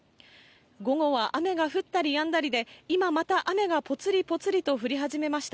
午後は雨が降ったりやんだりで、今また雨がぽつりぽつりと降り始めました。